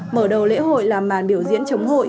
mở đầu lễ hội là màn biểu diễn chống hội